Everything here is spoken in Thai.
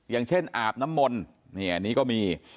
อย่างเช่นอาบน้ำมนนี่ก็มี